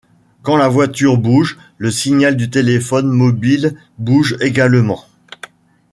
Quand la voiture bouge, le signal du téléphone mobile bouge également.